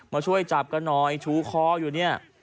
มาช่วยจับกันหน่อยชูคออยู่เนี่ย